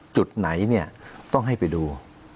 จุดไหนต้องให้ไปดู